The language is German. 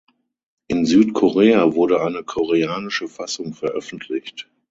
In Südkorea wurde eine koreanische Fassung veröffentlicht.